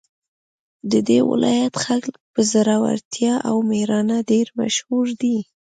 د دې ولایت خلک په زړورتیا او میړانه ډېر مشهور دي